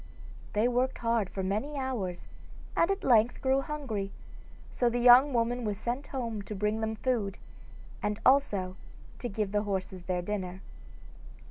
They worked hard for many hours, and at length grew hungry, so the young woman was sent home to bring them food, and also to give the horses their dinner.